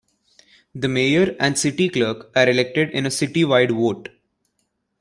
The mayor and city clerk are elected in a citywide vote.